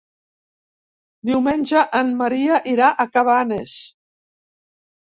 Diumenge en Maria irà a Cabanes.